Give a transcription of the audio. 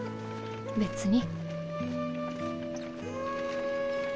別に。